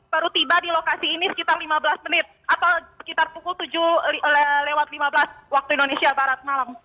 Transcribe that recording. baru tiba di lokasi ini sekitar lima belas menit atau sekitar pukul tujuh lewat lima belas waktu indonesia barat malam